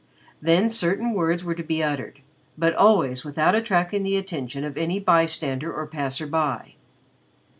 Then certain words were to be uttered, but always without attracting the attention of any bystander or passer by.